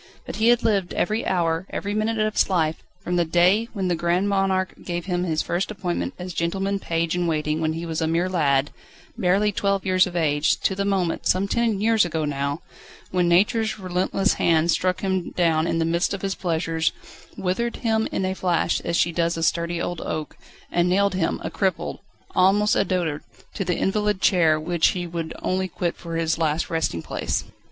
But he had lived every hour, every minute of his life, from the day when the Grand Monarque gave him his first appointment as gentleman page in waiting when he was a mere lad, barely twelve years of age, to the moment some ten years ago now when Nature's relentless hand struck him down in the midst of his pleasures, withered him in a flash as she does a sturdy old oak, and nailed him a cripple, almost a dotard to the invalid chair which he would only quit for his last resting place.